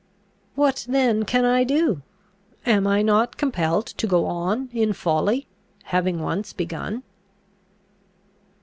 What then can I do? Am I not compelled to go on in folly, having once begun?"